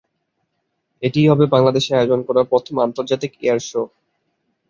এটিই হবে বাংলাদেশে আয়োজন করা প্রথম আন্তর্জাতিক এয়ার শো।